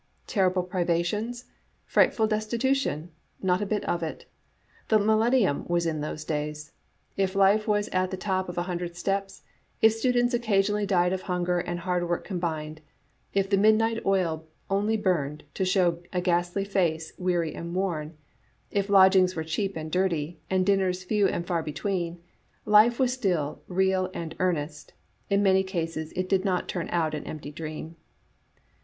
Terrible privations? Frightful destitution? Not a bit of it The Millennium was in those days. If life was at the top of a hundred steps, if students occasionally died of hunger and hard work combined, if the midnight oil only burned to show a ghastly face 'weary and worn, ' if lodgings were cheap and dirty, and dinners few and far between, life was still real and earnest; in many cases it did not turn out an empty dream."